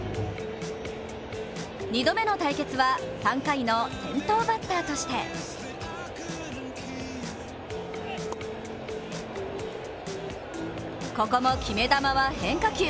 ２度目の対決は３回の先頭バッターとしてここも決め球は変化球。